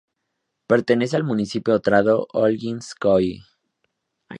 Pertenece al municipio Otrado-Olginskoye.